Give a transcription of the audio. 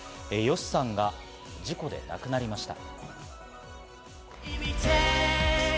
ＹＯＳＨＩさんが事故で亡くなりました。